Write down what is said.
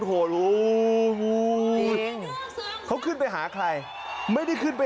ถึงนั้นคือเมาแล้วขึ้นเวที